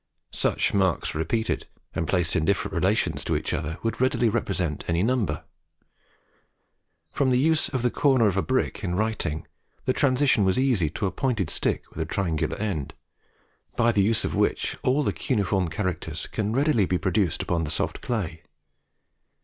Such marks repeated, and placed in different relations to each other, would readily represent any number. From the use of the corner of a brick in writing, the transition was easy to a pointed stick with a triangular end, by the use of which all the cuneiform characters can readily be produced upon the soft clay.